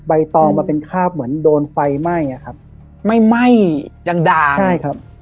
ตองมันเป็นคาบเหมือนโดนไฟไหม้อะครับไม่ไหม้ยังด่าใช่ครับ